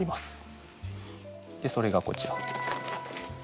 それがこちら。